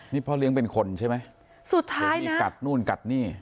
นี่พ่อเลี้ยงเป็นคนใช่ไหมสุดท้ายมีกัดนู่นกัดนี่